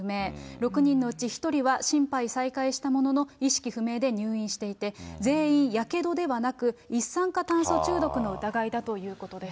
６人のうち１人は心肺再開したものの、意識不明で入院していて、全員やけどではなく、一酸化炭素中毒の疑いだということです。